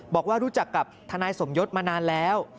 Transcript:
บอกว่ารู้จักกับทนายสมยศมานานแล้ว